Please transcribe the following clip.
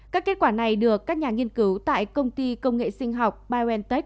các kết quả này được các nhà nghiên cứu tại công ty công nghệ sinh học biontech